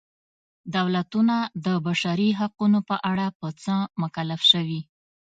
دولتونه د بشري حقونو په اړه په څه مکلف شوي.